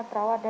ibu perawat ada